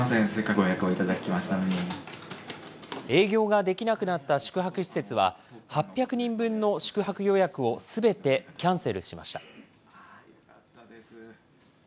営業ができなくなった宿泊施設は、８００人分の宿泊予約をすべてキャンセルしました。